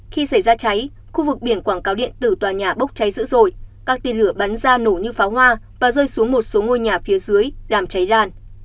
khi xảy ra cháy khu vực biển quảng cáo điện tử tòa nhà bốc cháy dữ dội các tiên lửa bắn ra nổ như pháo hoa và rơi xuống một số ngôi nhà phía dưới làm cháy lan